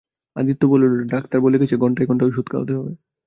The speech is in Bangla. আদিত্য বললে, ডাক্তার বলে গেছে ঘণ্টায় ঘণ্টায় ওষুধ খাওয়াতে হবে।